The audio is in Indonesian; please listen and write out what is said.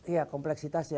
iya kompleksitas ya